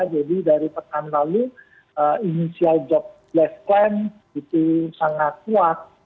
jadi dari pekan lalu inisial job left claim itu sangat kuat